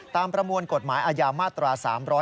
ตามประมวลกฎหมายอายามมาตรา๓๙๗